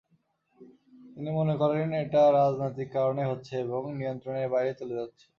তিনি মনে করেন, এটা রাজনৈতিক কারণেই হচ্ছে এবং নিয়ন্ত্রণের বাইরে চলে যাচ্ছে।